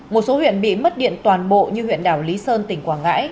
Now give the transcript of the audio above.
một số huyện bị mất điện toàn bộ như huyện đảo lý sơn tỉnh quảng ngãi